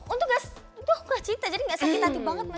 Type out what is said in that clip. untung guys itu aku gak cinta jadi gak sakit hati banget ma